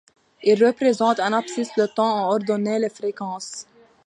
Il représente en abscisse le temps, en ordonnée les fréquences.